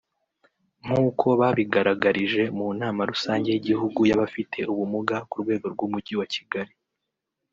nk’uko babigaragarije mu nama rusange y’Igihugu y’abafite ubumuga ku rwego rw’Umujyi wa Kigali